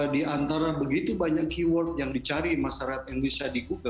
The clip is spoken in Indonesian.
di antara begitu banyak keyword yang dicari masyarakat indonesia di google